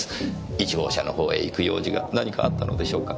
１号車の方へ行く用事が何かあったのでしょうか？